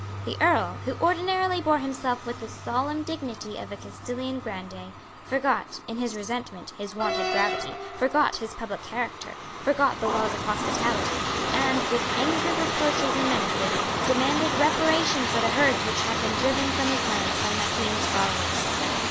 The Earl, who ordinarily bore himself with the solemn dignity of a Castilian grandee, forgot, in his resentment, his wonted gravity, forgot his public character, forgot the laws of hospitality, and, with angry reproaches and menaces, demanded reparation for the herds which had been driven from his lands by Mac Ian's followers.